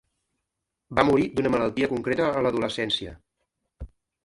Va morir d'una malaltia contreta a l'adolescència.